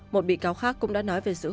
một bị cáo khác cũng đã nói về sản phẩm